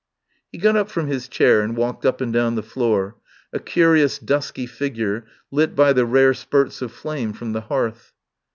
" He got up from his chair and walked up and down the floor, a curious dusky figure lit by the rare spurts of flame from the hearth.